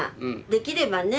できればね